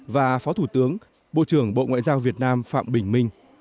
và phó thủ tướng bộ trưởng bộ ngoại giao việt nam phạm bình minh